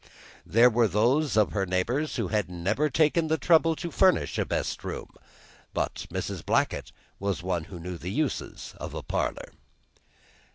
There were those of her neighbors who never had taken the trouble to furnish a best room, but Mrs. Blackett was one who knew the uses of a parlor.